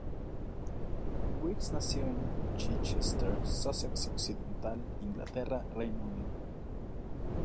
Weeks nació en Chichester, Sussex Occidental, Inglaterra, Reino Unido.